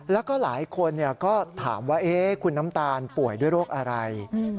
แล้วก็หลายคนก็ถามว่าคุณน้ำตาลป่วยด้วยโรคอะไร